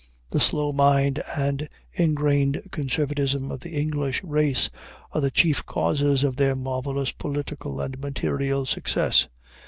The slow mind and ingrained conservatism of the English race are the chief causes of their marvelous political and material success.